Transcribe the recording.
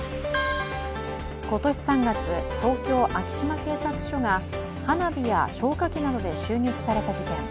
今年３月、東京・昭島警察署が花火や消火器などで襲撃された事件。